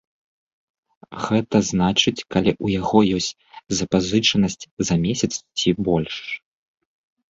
Гэта значыць, калі ў яго ёсць запазычанасць за месяц ці больш.